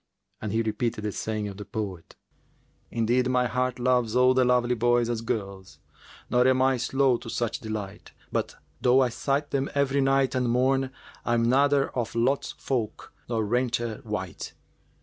and he repeated the saying of the poet, "Indeed my heart loves all the lovely boys * As girls; nor am I slow to such delight, But, though I sight them every night and morn, * I'm neither of Lot's folk[FN#388] nor wencher wight."